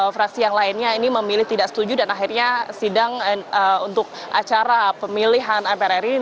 fraksi yang lainnya ini memilih tidak setuju dan akhirnya sidang untuk acara pemilihan mpr ini